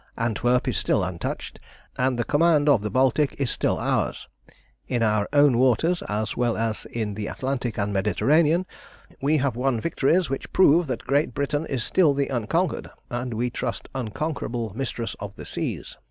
Antwerp is still untouched, and the command of the Baltic is still ours. In our own waters, as well as in the Atlantic and the Mediterranean, we have won victories which prove that Great Britain is still the unconquered, and we trust unconquerable, mistress of the seas.